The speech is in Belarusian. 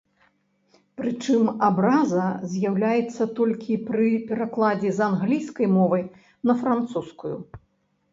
Прычым абраза з'яўляецца толькі пры перакладзе з англійскай мовы на французскую.